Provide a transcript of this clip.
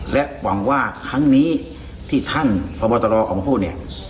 และหวังว่าครั้งนี้ที่ท่านพบตรออกมาพูดเนี่ย